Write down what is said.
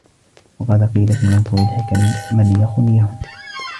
وَقَدْ قِيلَ فِي مَنْثُورِ الْحِكَمِ مَنْ يَخُنْ يَهُنْ